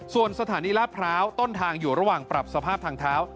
ส่วนสถานีลาดพร้าวต้นทางอยู่ระหว่างปรับสภาพทางเท้า